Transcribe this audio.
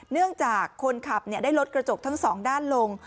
เนื่องจากคนขับได้ลดกระจกทั้งสองด้านลง